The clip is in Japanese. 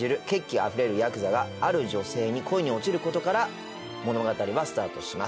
あふれるやくざがある女性に恋に落ちることから物語はスタートします。